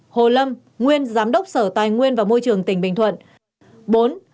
hai hồ lâm nguyên giám đốc sở tài nguyên và môi trường tỉnh bình thuận